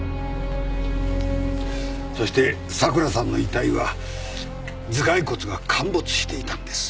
そして桜さんの遺体は頭蓋骨が陥没していたんです。